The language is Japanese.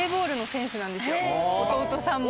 弟さんも。